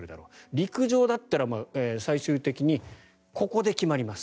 陸上だったら最終的にここで決まります。